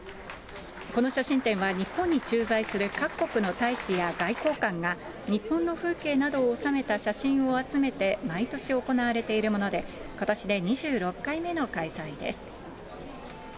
この写真展は日本に駐在する各国の大使や外交官が、日本の風景などを収めた写真を集めて、毎年行われているもので、ことしで２６回目の開催です。